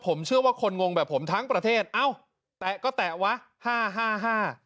ผมเชื่อว่าคนงงแบบผมทั้งประเทศเอ้าแตะก็แตะวะห้าห้า